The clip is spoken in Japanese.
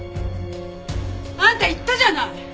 あんた言ったじゃない！